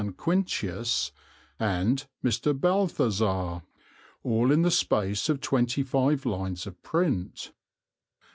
Quintius, and "Mr. Balthazar," all in the space of twenty five lines of print.